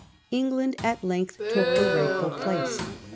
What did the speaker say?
England at length took her rightful place.